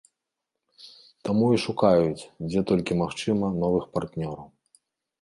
Таму і шукаюць, дзе толькі магчыма, новых партнёраў.